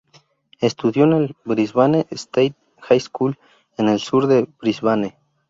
Estudió en el "Brisbane State High School" en el sur de Brisbane.